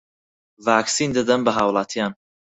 ڤاکسین دەدەن بە هاووڵاتیان